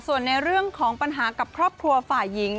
ส่วนในเรื่องของปัญหากับครอบครัวฝ่ายหญิง